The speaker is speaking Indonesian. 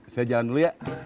saya jalan dulu ya